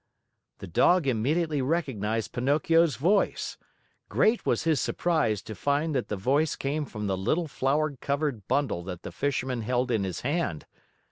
The Dog immediately recognized Pinocchio's voice. Great was his surprise to find that the voice came from the little flour covered bundle that the Fisherman held in his hand.